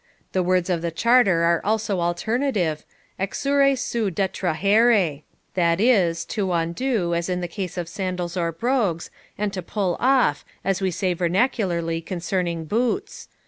The words of the charter are also alternative, exuere seu detrahere; that is, to undo, as in the case of sandals or brogues, and to pull of, as we say vernacularly concerning boots.